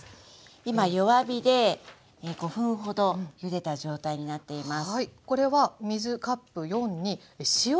今弱火で５分ほどゆでた状態になっています。